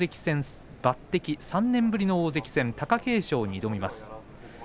３年ぶりの大関戦貴景勝に挑みます。